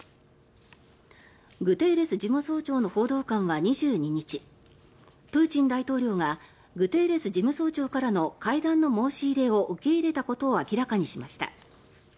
グテーレス事務総長の報道官は２２日プーチン大統領がグテーレス事務総長からの会談の申し入れを受け入れたことを明らかにしました。